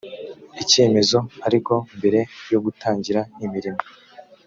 icyemezo ariko mbere yo gutangira imirimo